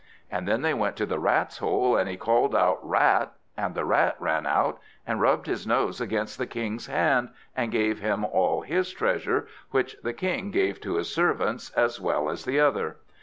And then they went to the Rat's hole, and he called out "Rat!" And the Rat ran up, and rubbed his nose against the King's hand, and gave him all his treasure, which the King gave to his servants as well as the other.